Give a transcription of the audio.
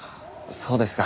そうですか。